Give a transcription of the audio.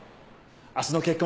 明日の結婚